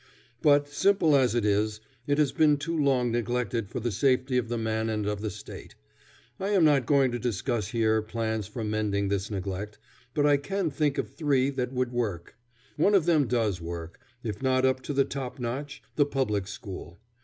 But, simple as it is, it has been too long neglected for the safety of the man and of the State. I am not going to discuss here plans for mending this neglect, but I can think of three that would work; one of them does work, if not up to the top notch the public school.